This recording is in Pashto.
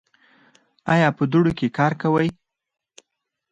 ایا په دوړو کې کار کوئ؟